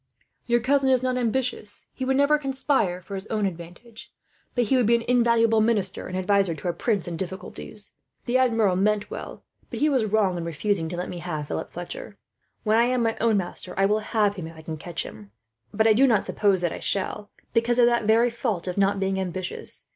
"'Your cousin is not ambitious. He would never conspire for his own advantage, but he would be an invaluable minister and adviser, to a prince in difficulties. The Admiral meant well, but he was wrong in refusing to let me have Philip Fletcher. When I am my own master I will have him, if I can catch him; but I do not suppose that I shall, because of that very fault of not being ambitious.